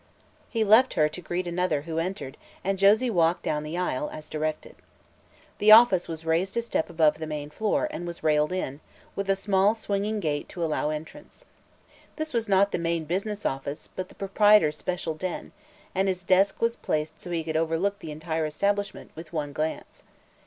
He left her to greet another who entered and Josie walked down the aisle, as directed. The office was raised a step above the main floor and was railed in, with a small swinging gate to allow entrance. This was not the main business office but the proprietor's special den and his desk was placed so he could overlook the entire establishment, with one glance.